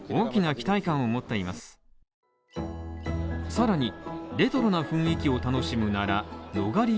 さらにレトロな雰囲気を楽しむならノガリ